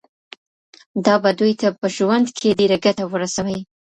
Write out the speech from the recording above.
دا به دوی ته په ژوند کي ډیره ګټه ورسوي.